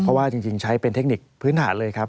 เพราะว่าจริงใช้เป็นเทคนิคพื้นฐานเลยครับ